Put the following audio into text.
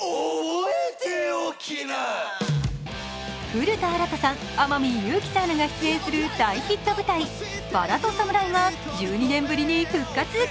古田新太さん、天海祐希さんらが出演する大ヒット舞台「薔薇とサムライ」が１２年ぶりに復活。